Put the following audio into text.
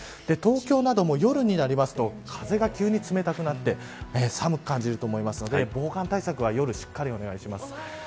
東京なども夜になると風が急に冷たくなって寒く感じると思うので防寒対策はしっかりお願いします。